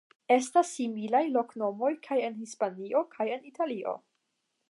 Estas similaj loknomoj kaj en Hispanio kaj en Italio.